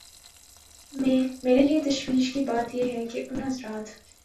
میں میرے لیے تشویش کی بات یہ ہے کہ ان حضرات